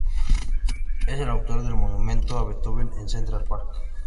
Es el autor del monumento a Beethoven en Central Park.